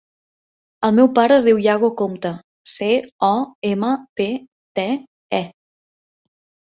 El meu pare es diu Yago Compte: ce, o, ema, pe, te, e.